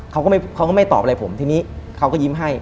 เขาก็ไม่ตอบอะไรผมทีนี้เขาก็ยิ้มให้